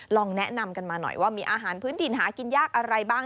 ลองแนะนำกันมาหน่อยว่ามีอาหารพื้นถิ่นหากินยากอะไรบ้าง